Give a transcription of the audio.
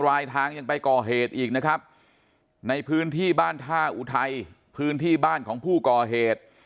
รายทางยังไปก่อเหตุอีกนะครับในพื้นที่บ้านท่าอุทัยพื้นที่บ้านของผู้ก่อเหตุ